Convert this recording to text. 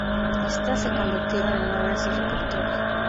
Estas se convirtieron en obras de repertorio.